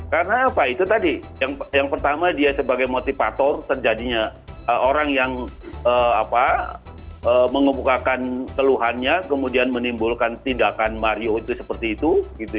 karena apa itu tadi yang pertama dia sebagai motivator terjadinya orang yang mengubahkan teluhannya kemudian menimbulkan tindakan mario itu seperti itu